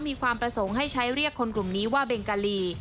มีความประสงค์ให้ใช้เรียกคนกลุ่มนี้ว่าเบงกาลี